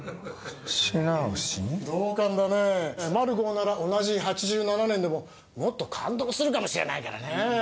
同感だね「マルゴー」なら同じ８７年でももっと感動するかもしれないからねぇ。